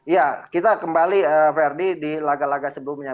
ya kita kembali verdi di laga laga sebelumnya